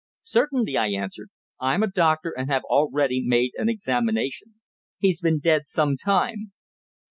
"Certainly," I answered. "I'm a doctor, and have already made an examination. He's been dead some time."